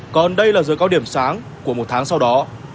còn đây là giờ cao điểm sáng của một tháng sau đó